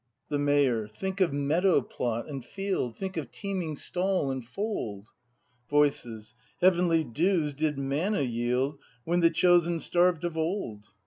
The Mayor. Think of meadow plot and field; Think of teeming stall and fold! Voices. Heavenly dews did manna yield When the chosen starved of old